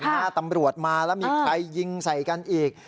ถ้าตำรวจมาแล้วมีใครยิงใส่กันอีก